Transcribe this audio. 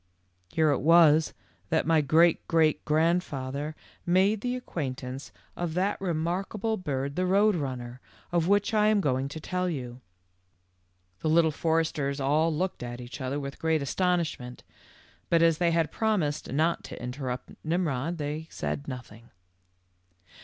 " Here it was that my great great grand father made the acquaintance of that remarkable 90 THE LITTLE FORESTERS. bird, the Road Runner, of which I am going to tell you." The Little Foresters all looked at each other with great astonishment, but as they had promised not to interrupt Nimrod, they said nothing.